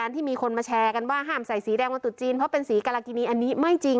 ที่มีคนมาแชร์กันว่าห้ามใส่สีแดงวันตุดจีนเพราะเป็นสีกรกินีอันนี้ไม่จริง